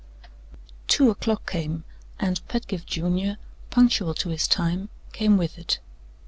Two o'clock came; and Pedgift Junior, punctual to his time, came with it.